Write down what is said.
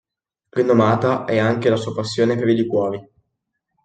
Rinomata è anche la sua passione per i liquori.